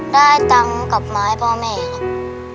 ได้ตังค์กับไม้บ่อแม่ครับ